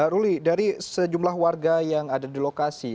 ruli dari sejumlah warga yang ada di lokasi